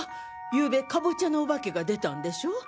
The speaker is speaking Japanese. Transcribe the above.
ゆうべカボチャのお化けが出たんでしょう？